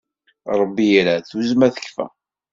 Ṛebbi irad, tuzzma tekfa.